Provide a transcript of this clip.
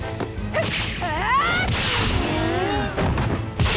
フッ！